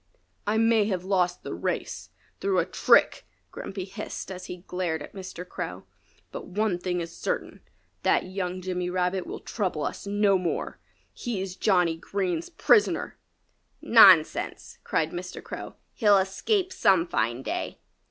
"I may have lost the race through a trick," Grumpy hissed as he glared at Mr. Crow. "But one thing is certain: That young Jimmy Rabbit will trouble us no more. He's Johnny Green's prisoner." "Nonsense!" cried Mr. Crow. "He'll escape some fine day."